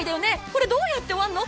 これどうやって終わんの？